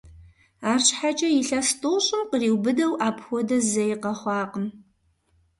Арщхьэкӏэ илъэс тӏощӏым къриубыдэу апхуэдэ зэи къэхъуакъым.